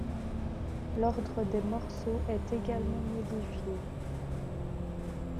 L'ordre des morceaux est également modifié.